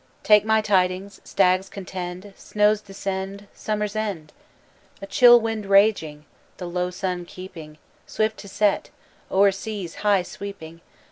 "Take my tidings: Stags contend; Snows descend Summer's end! "A chill wind raging, The sun low keeping, Swift to set O'er seas high sweeping.